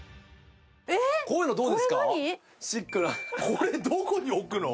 これどこに置くの？